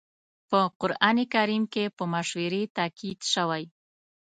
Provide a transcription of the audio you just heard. په قرآن کريم کې په مشورې تاکيد شوی.